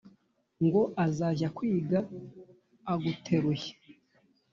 ngo azajya kwiga aguteruye